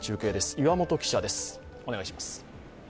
岩本記者です。